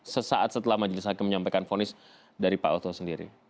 sesaat setelah majelis hakim menyampaikan fonis dari pak otto sendiri